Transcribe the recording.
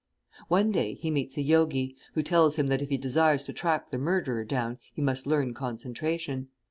One day he meets a Yogi, who tells him that if he desires to track the murderer down he must learn concentration.